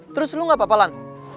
terus lo gak apa apa lan